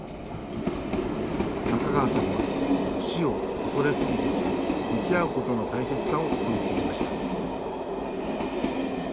中川さんは「死」を恐れすぎず向き合うことの大切さを説いていました。